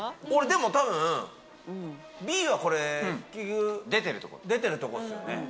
でも多分Ｂはこれ結局出てるとこっすよね？